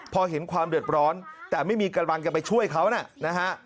พอเห็นความเดือดร้อนแต่ไม่มีกำลังจะไปช่วยเขานะฮะ